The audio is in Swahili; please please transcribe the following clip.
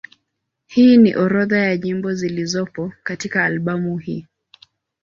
Hii ni orodha ya nyimbo zilizopo katika albamu hii.